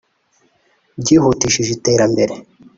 ryihutishije iterambere